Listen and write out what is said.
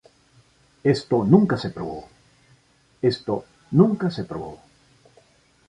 Esto nunca se probó.